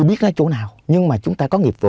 vào ngày hai mươi năm tháng ba